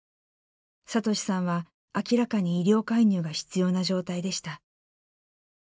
聡士さんは明らかに医療介入が必要な状態でした。